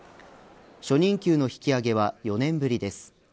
初任給の引き上げは４年ぶりです。